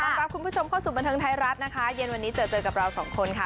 สำหรับคุณผู้ชมภอสุมบันทึงไทยรัฐวันนี้เจอเจอกับเราสองคนค่ะ